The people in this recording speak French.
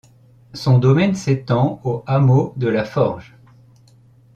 Son domaine s’étend au hameau de “La Forge”.